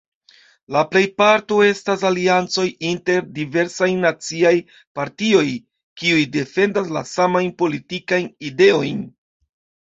La plejparto estas aliancoj inter diversajn naciaj partioj, kiuj defendas la samajn politikajn ideojn.